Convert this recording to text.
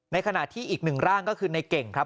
ขณะที่อีกหนึ่งร่างก็คือในเก่งครับ